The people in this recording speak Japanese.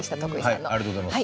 ありがとうございます。